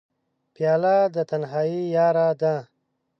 پیاله د تنهایۍ یاره ده.